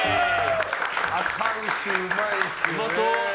あか牛、うまいっすよね。